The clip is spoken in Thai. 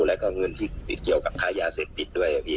แล้วก็เงินที่เกี่ยวกับค่ายาเสพปิดด้วย